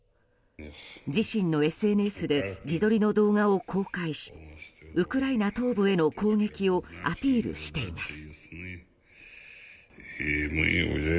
自身のＳＮＳで自撮りの動画を公開しウクライナ東部への攻撃をアピールしています。